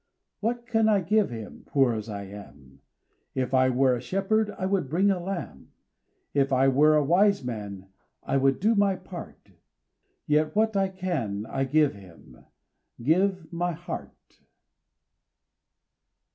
What can I give Him, Poor as I am? If I were a shepherd I would bring a lamb, If I were a Wise Man I would do my part, Yet what I can I give Him, Give my heart.